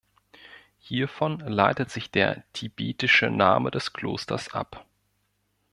Hiervon leitet sich der tibetische Name des Klosters ab.